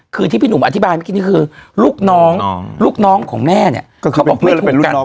คือที่พี่หนุ่มอธิบายคือลูกน้องของแม่เนี่ย